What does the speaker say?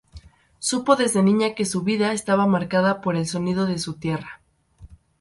Supo desde niña que su vida estaba marcada por el sonido de su tierra.